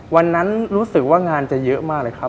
วันนั้นรู้สึกว่างานจะเยอะมากเลยครับ